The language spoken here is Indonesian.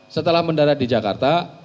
setelah mendarat di jakarta